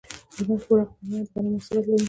هلمند په پراخه پیمانه د غنمو حاصلات لري